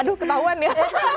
aduh ketahuan ya